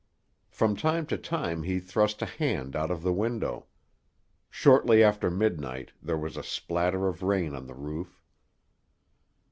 From time to time he thrust a hand out of the window. Shortly after midnight there was a splatter of rain on the roof.